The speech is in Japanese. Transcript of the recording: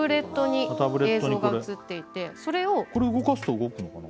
これ動かすと動くのかな？